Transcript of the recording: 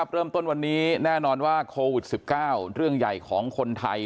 เริ่มต้นวันนี้แน่นอนว่าโควิด๑๙เรื่องใหญ่ของคนไทย